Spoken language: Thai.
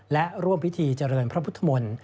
และร่วมพิธีเจริญพระพุทธมนตร์